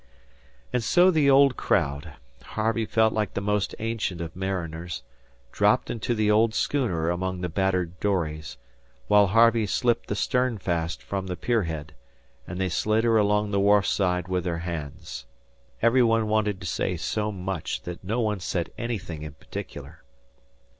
And so the old crowd Harvey felt like the most ancient of mariners dropped into the old schooner among the battered dories, while Harvey slipped the stern fast from the pier head, and they slid her along the wharf side with their hands. Every one wanted to say so much that no one said anything in particular.